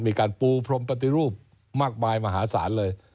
มีการปูพรมปฏิรูปมากมายมหาศาลเลย